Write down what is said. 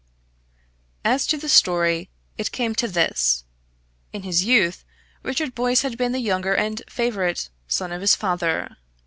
As to the story, it came to this. In his youth, Richard Boyce had been the younger and favourite son of his father.